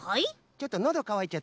ちょっとのどかわいちゃった。